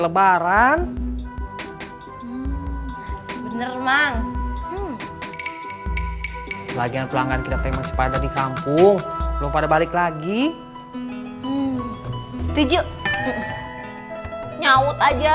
lebaran bener mang lagi pelanggan kita pada di kampung pada balik lagi tujuh nyawut aja